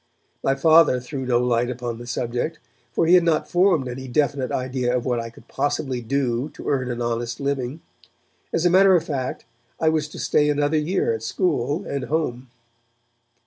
My Father threw no light upon the subject, for he had not formed any definite idea of what I could possibly do to earn an honest living. As a matter of fact I was to stay another year at school and home.